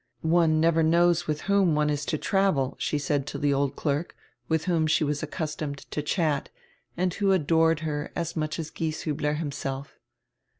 "One never knows with whom one is to travel," she said to tire old clerk, with whom she was accustonred to chat, and who adored her as much as Gieshiibler himself.